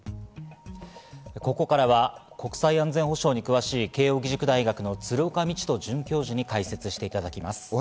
ここからは国際安全保障に詳しい慶應義塾大学の鶴岡路人准教授に解説していただきます。